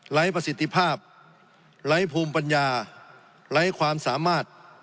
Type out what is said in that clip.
ประสิทธิภาพไร้ภูมิปัญญาไร้ความสามารถ